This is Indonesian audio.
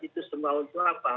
itu semua untuk apa